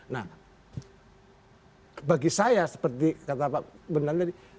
nah bagi saya seperti kata pak bendan tadi